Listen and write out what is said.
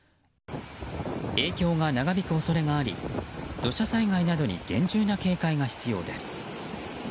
影響が長引く恐れがあり土砂災害などに厳重な警戒が必要です。